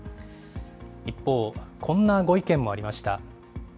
一方、こんなご意見もありました。